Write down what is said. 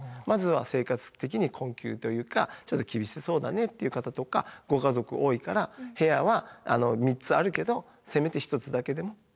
まずは生活的に困窮というかちょっと厳しそうだねっていう方とかご家族多いから部屋は３つあるけどせめて１つだけでも。